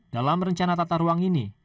dalam rencana tata ruang ini